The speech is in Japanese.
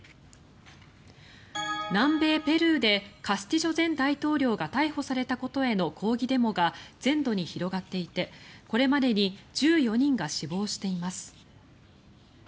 南米ペルーでカスティジョ前大統領が逮捕されたことへの抗議デモが全土に広がっていてこれまでに１４人が死亡しています。